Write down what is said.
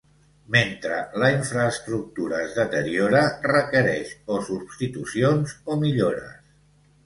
Mentre la infraestructura es deteriora, requereix o substitucions o millores.